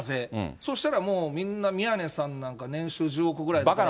そうしたら、もうみんな、宮根さんなんか、年収１０億ぐらいだから。